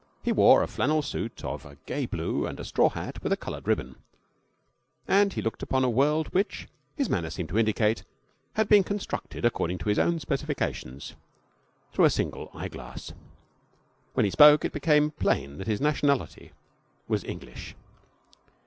He wore a flannel suit of a gay blue and a straw hat with a coloured ribbon, and he looked upon a world which, his manner seemed to indicate, had been constructed according to his own specifications through a single eyeglass. When he spoke it became plain that his nationality was English.